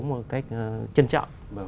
một cách trân trọng